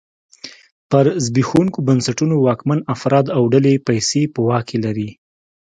پر زبېښونکو بنسټونو واکمن افراد او ډلې پیسې په واک کې لري.